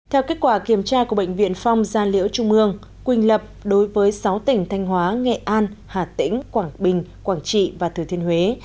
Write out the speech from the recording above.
theo kết quả kiểm tra của bệnh viện phong gia liễu trung ương quỳnh lập đối với sáu tỉnh thanh hóa nghệ an hà tĩnh quảng bình quảng trị và thừa thiên huế